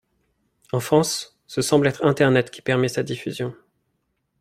En France, ce semble être Internet qui permet sa diffusion.